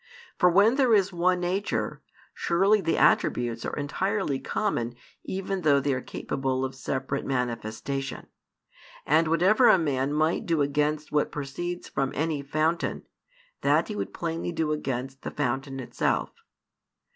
For when there is one nature, surely the attributes are entirely common even though they are capable of separate manifestation; and whatever a man might do against what proceeds from any fountain, that he would plainly do against the fountain itself.